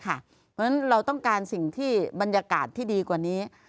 เพราะฉะนั้นเราต้องการสิ่งที่บรรยากาศที่ดีกว่านี้